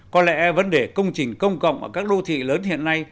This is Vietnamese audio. có lẽ vấn đề công trình công cộng ở các đô thị lớn hiện nay